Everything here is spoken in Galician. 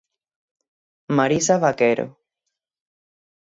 Marisa Vaquero.